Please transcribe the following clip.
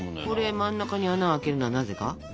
これ真ん中に穴開けるのはなぜか？